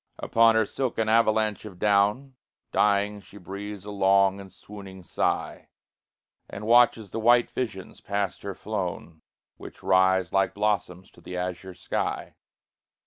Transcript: Upon her silken avalanche of down, Dying she breathes a long and swooning sigh; And watches the white visions past her flown, Which rise like blossoms to the azure sky.